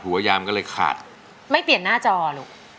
ยามก็เลยขาดไม่เปลี่ยนหน้าจอลูก